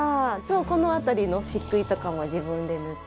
この辺りの漆喰とかも自分で塗って。